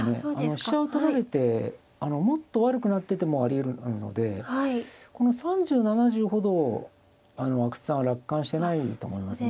飛車を取られてもっと悪くなっててもありえるのでこの３０７０ほど阿久津さんは楽観してないと思いますね。